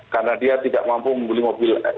karena dia tidak mampu membeli mobil